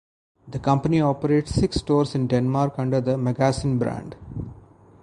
The company operates six stores in Denmark under the Magasin brand.